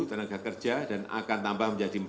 tenaga kerja dan akan tambah menjadi